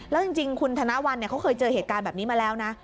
แล้วจริงคุณธนวัลเขาเคยเจอเหตุการณ์แบบนี้มาแล้วนะ